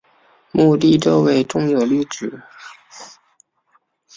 墓地周围种有绿植。